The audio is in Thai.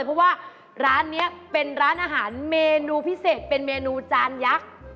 เพราะว่าร้านนี้เป็นร้านอาหารเมนูพิเศษเป็นเมนูจานยักษ์